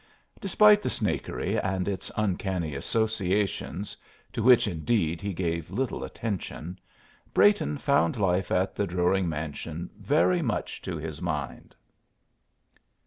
Despite the Snakery and its uncanny associations to which, indeed, he gave little attention Brayton found life at the Druring mansion very much to his mind.